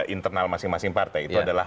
internal masing masing partai itu adalah